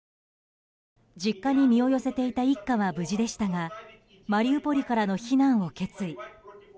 実家に身を寄せていた一家は無事でしたがマリウポリからの避難を決意。